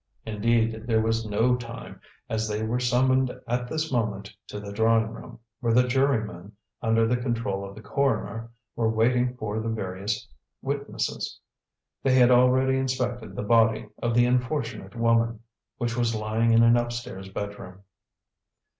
Indeed, there was no time, as they were summoned at this moment to the drawing room, where the jurymen, under the control of the coroner, were waiting for the various witnesses. They had already inspected the body of the unfortunate woman, which was lying in an upstairs bedroom.